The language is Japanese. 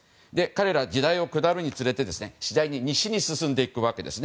彼らは時代を下るにつれて次第に西に行くわけです。